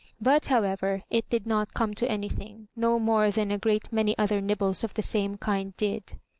But, however, it did not come to any thing, no more than a great many other nibbles of the same kind did.